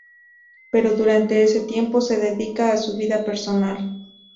Pero durante ese tiempo, se dedica a su vida personal.